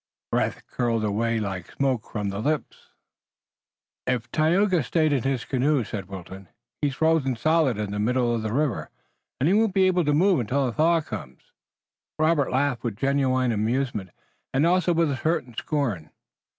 Breath curled away like smoke from the lips. "If Tayoga stayed in his canoe," said Wilton, "he's frozen solidly in the middle of the river, and he won't be able to move it until a thaw comes." Robert laughed with genuine amusement and also with a certain scorn.